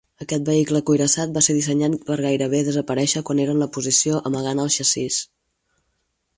Aquest vehicle cuirassat va ser dissenyat per gairebé desaparèixer quan era en la posició "amagant el xassís".